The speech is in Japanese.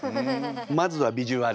まずはビジュアル。